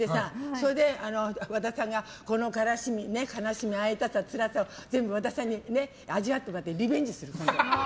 それで和田さんがこの悲しみ、会いたさつらさを全部和田さんに味わってもらってリベンジする。